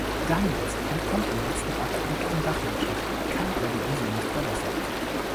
Daniels entkommt im letzten Augenblick den Wachmannschaften, kann aber die Insel nicht verlassen.